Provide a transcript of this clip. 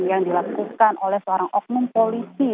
yang dilakukan oleh seorang oknum polisi